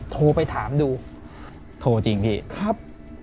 โทรไปถามดูโทรจริงพี่ครับ